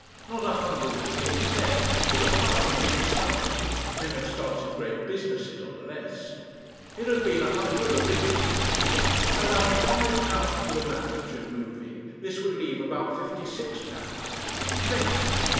Not a hundred as he had said, but a fine big sum men have started great businesses on less. It had been a hundred originally. Allowing five pounds for the marriage and moving, this would leave about £56. Plenty.